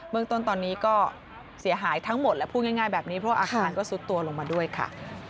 เมืองต้นตอนนี้ก็เสียหายทั้งหมดและพูดง่ายแบบนี้เพราะว่าอาคารก็ซุดตัวลงมาด้วยค่ะ